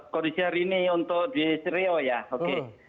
kondisi hari ini untuk di seriau ya oke